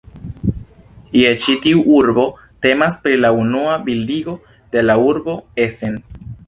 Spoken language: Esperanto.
Je ĉi tiu urbo temas pri la unua bildigo de la urbo Essen.